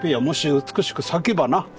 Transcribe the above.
もし美しく咲けばな。